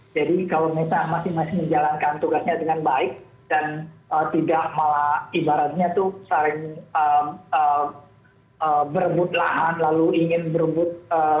jadi kalau mereka masing masing menjalankan tugasnya dengan baik dan tidak malah ibaratnya tuh saling berebut lahan lalu ingin berebut